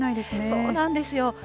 そうなんですよ。